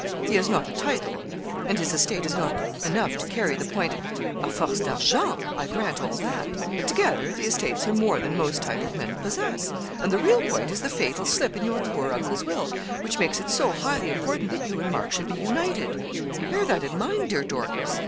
He has not a title, and his estate is not enough to carry the point à force d'argent; I grant all that. But together the estates are more than most titled men possess; and the real point is the fatal slip in your poor uncle's will, which makes it so highly important that you and Mark should be united; bear that in mind, dear Dorcas.